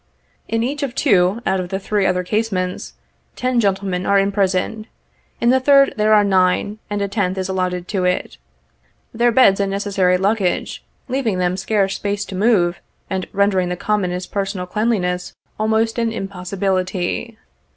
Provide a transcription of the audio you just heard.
In each of two, out of the three other casemates, ten gentlemen are imprisoned ; in the third there are nine, and a tenth is allotted to it ; their beds and necessary luggage leaving them scarce space to move, and rendering the commonest personal cleanliness almost an impossibility.